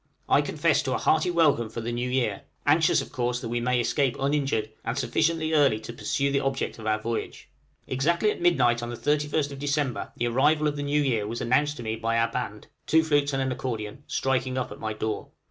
I confess to a hearty welcome for the new year anxious, of course, that we may escape uninjured, and sufficiently early to pursue the object of our voyage. Exactly at midnight on the 31st December the arrival of the new year was announced to me by our band two flutes and an accordion striking up at my door.